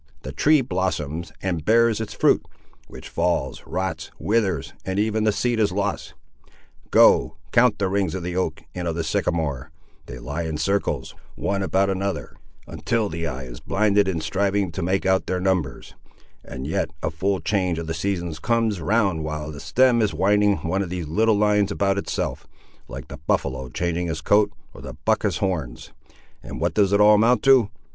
The tree blossoms, and bears its fruit, which falls, rots, withers, and even the seed is lost! Go, count the rings of the oak and of the sycamore; they lie in circles, one about another, until the eye is blinded in striving to make out their numbers; and yet a full change of the seasons comes round while the stem is winding one of these little lines about itself, like the buffaloe changing his coat, or the buck his horns; and what does it all amount to?